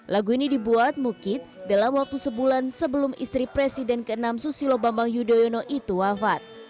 lagu ini dibuat mukid dalam waktu sebulan sebelum istri presiden ke enam susilo bambang yudhoyono itu wafat